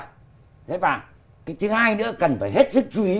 thế và cái thứ hai nữa cần phải hết sức chú ý